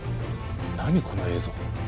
何この映像。